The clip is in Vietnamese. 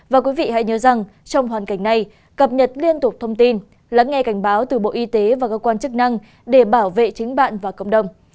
và quý vị hãy nhớ rằng trong hoàn cảnh này cập nhật liên tục thông tin lắng nghe cảnh báo từ bộ y tế và cơ quan chức năng để bảo vệ chính bạn và cộng đồng